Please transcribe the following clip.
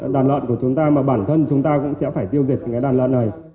đàn lợn của chúng ta mà bản thân chúng ta cũng sẽ phải tiêu diệt cái đàn lợn này